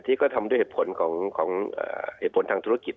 ที่ก็ทำด้วยเหตุผลของเหตุผลทางธุรกิจ